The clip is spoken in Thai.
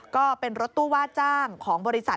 โดดลงรถหรือยังไงครับ